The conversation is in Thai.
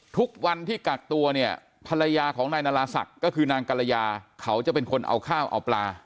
ทุกวันที่กักตัวเนี่ยภรรยาของนายนาราศักดิ์ก็คือนางกรยาเขาจะเป็นคนเอาข้าวเอาปลา